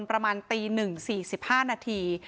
ประมาณตี๑๔๕นาที